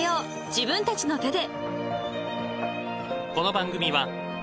自分たちの手で］